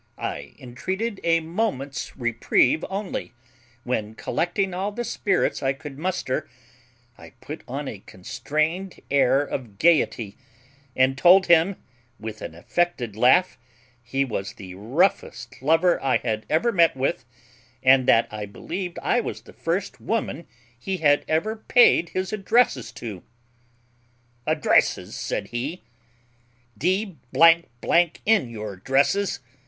I entreated a moment's reprieve only, when, collecting all the spirits I could muster, I put on a constrained air of gayety, and told him, with an affected laugh, he was the roughest lover I had ever met with, and that I believed I was the first woman he had ever paid his addresses to. Addresses, said he; d n your dresses!